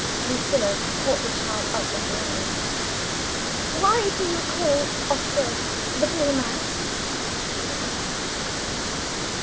Lucilla caught the child up in her arms. "Why do you call Oscar 'The Blue Man'?" she asked.